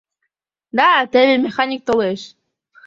Да, теве механик толеш.